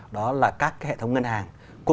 đó là các hệ thống ngân hàng